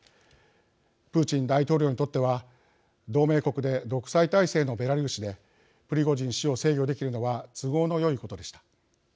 プーチン大統領にとっては同盟国で独裁体制のベラルーシでプリゴジン氏を制御できるのは都合のよいことでした。